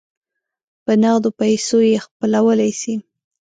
په نغدو پیسو یې خپلولای سی.